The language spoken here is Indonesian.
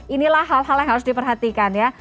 inilah hal hal yang harus diperhatikan ya